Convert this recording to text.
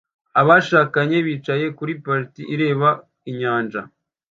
Abashakanye bicaye kuri patio ireba inyanja